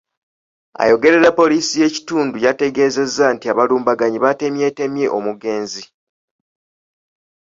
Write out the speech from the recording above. Ayogerera Poliisi y’ekitundu yategeezezza nti abalumbaganyi baatemyetemye omugenzi